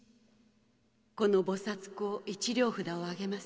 この菩薩講一両札をあげます」